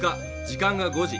時間が５時。